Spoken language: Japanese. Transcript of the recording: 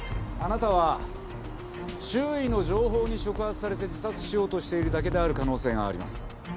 あなたは周囲の情報に触発されて自殺しようとしているだけである可能性があります。